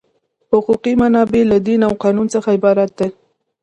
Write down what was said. حقوقي منابع له دین او قانون څخه عبارت دي.